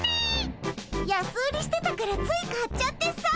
安売りしてたからつい買っちゃってさ。